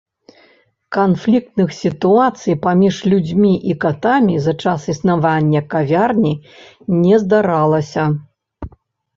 Канфліктных сітуацый між людзьмі і катамі за час існавання кавярні не здаралася.